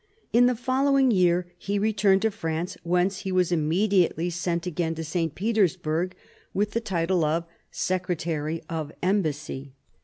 In the following year he returned to France whence he was immediately sent again to St. Petersburg with the title of Secretary of Embassy.